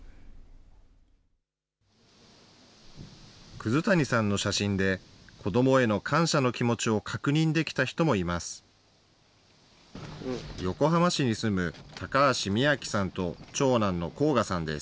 葛谷さんの写真で、子どもへの感謝の気持ちを確認できた人もいます。